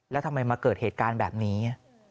แล้วทำไมมาเกิดเหตุการณ์แบบนี้